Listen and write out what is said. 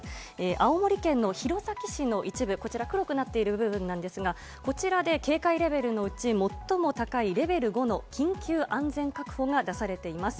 青森県の弘前市の一部、黒くなっている部分ですが、こちらで警戒レベルのうち最も高いレベル５の緊急安全確保が出されています。